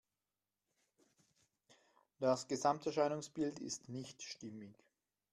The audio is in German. Das Gesamterscheinungsbild ist nicht stimmig.